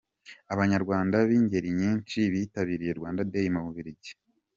Abanyarwanda b'ingeri nyinshi bitabiriye Rwanda Day mu Bubiligi.